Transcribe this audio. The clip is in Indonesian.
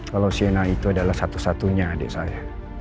kalau shienna itu adalah satu satunya adik saya